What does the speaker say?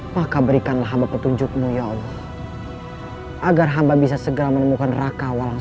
maka berikanlah hamba petunjukmu ya allah agar hamba bisa segera menemukan raka walau